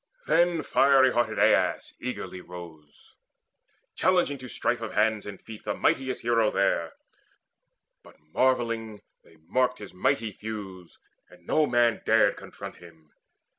Then fiery hearted Aias eagerly Rose, challenging to strife of hands and feet The mightiest hero there; but marvelling They marked his mighty thews, and no man dared Confront him.